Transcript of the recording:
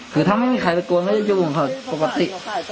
คือถ้าไม่มีใครไปกลัวไม่ได้ยูงพอประสิทธิ์